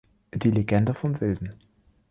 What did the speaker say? Die Legende vom Wilden.